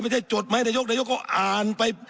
ไม่ใช่จดไหมนายกนายกก็อ่านไป